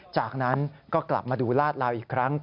จากนั้นก็กลับมาดูลาดลาวอีกครั้ง